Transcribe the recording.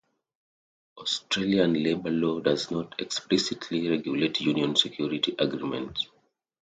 Australian labor law does not explicitly regulate union security agreements.